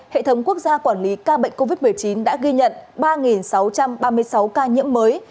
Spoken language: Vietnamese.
hệ thống quốc gia quản lý ca bệnh covid một mươi chín đã ghi nhận ba sáu trăm ba mươi sáu ca nhiễm mới